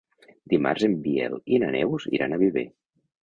Dimarts en Biel i na Neus iran a Viver.